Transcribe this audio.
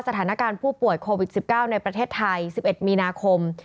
สถานการณ์ผู้ป่วยโควิด๑๙ในประเทศไทย๑๑มีนาคม